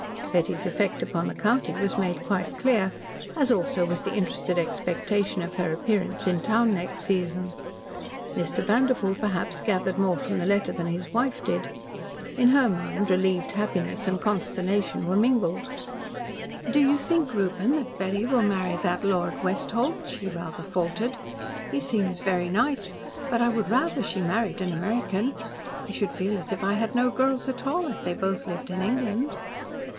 Betty's effect upon the county was made quite clear, as also was the interested expectation of her appearance in town next season. Mr. Vanderpoel, perhaps, gathered more from the letter than his wife did. In her mind, relieved happiness and consternation were mingled. "Do you think, Reuben, that Betty will marry that Lord Westholt?" she rather faltered. "He seems very nice, but I would rather she married an American. I should feel as if I had no girls at all, if they both lived in England."